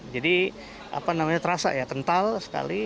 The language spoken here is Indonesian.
jadi apa namanya terasa ya kental sekali